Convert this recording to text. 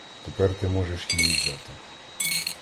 Тепер ти можеш її взяти.